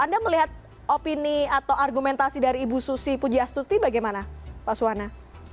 anda melihat opini atau argumentasi dari ibu susi pujiastuti bagaimana pak suwana